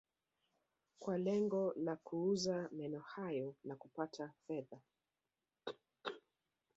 Kwa lengo la kuuza meno hayo na kupata fedha